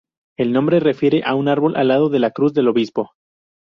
El nombre refiere a un árbol al lado de la Cruz del Obispo.